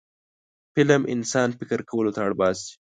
فلم انسان فکر کولو ته اړ باسي